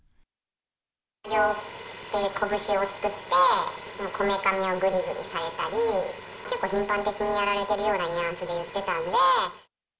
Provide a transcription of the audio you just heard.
両手拳を作って、こめかみをぐりぐりされたり、結構、頻繁にやられてるようなニュアンスで言ってたので。